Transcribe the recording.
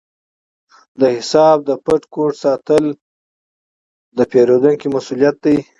د حساب د پټ کوډ ساتل د پیرودونکي مسؤلیت دی۔